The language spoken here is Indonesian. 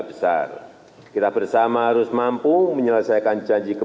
penyelenggaraan yang berbeda penyelenggaraan yang berbeda